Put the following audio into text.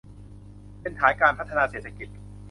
เป็นฐานการพัฒนาเศรษฐกิจ